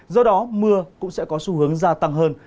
do đó mưa cũng sẽ có xu hướng gia tăng hơn